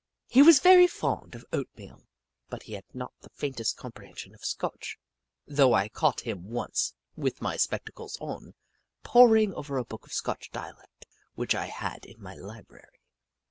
He was very fond of oatmeal, but he had not the faintest comprehension of Scotch, though I caught him once, with my spectacles on, poring over a book of Scotch dialect which I had in my library.